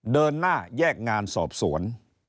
เดินหน้าแยกงานสอบสวน